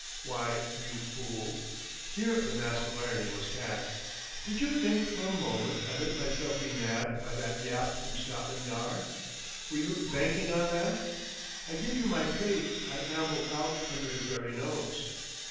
... Why, you fool!" here the mask of irony was cast. "Did you think for a moment I'd let myself be nabbed by that yap from Scotland Yard? Were you banking on that? I give you my faith I ambled out under his very nose!